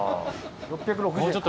６６０円。